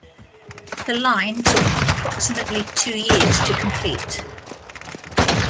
The line took approximately two years to complete.